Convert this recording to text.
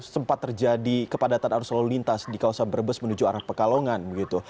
sempat terjadi kepadatan arus lalu lintas di kawasan brebes menuju arah pekalongan begitu